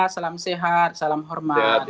salam sehat salam hormat